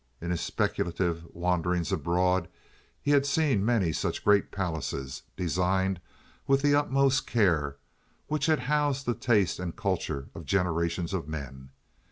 In his speculative wanderings abroad he had seen many such great palaces, designed with the utmost care, which had housed the taste and culture of generations of men.